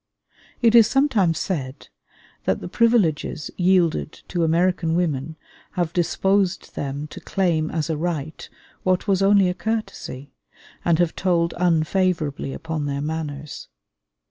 It is sometimes said that the privileges yielded to American women have disposed them to claim as a right what was only a courtesy, and have told unfavorably upon their manners.